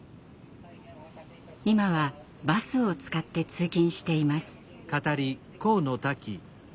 今はバスを使って通勤しています。